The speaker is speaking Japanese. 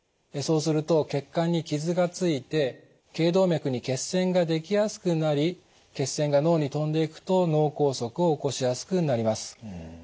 そうすると血管に傷がついて頸動脈に血栓ができやすくなり血栓が脳にとんでいくと脳梗塞を起こしやすくなります。